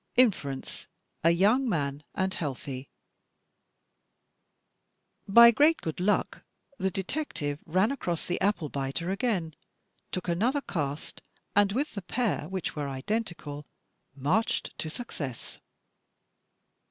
Inference a young man, and healthy." By great good luck, the detective ran across the apple biter 194 THE TECHNIQUE OF THE MYSTERY STORY again, took another cast and with the pair, which were iden tical, marched to success.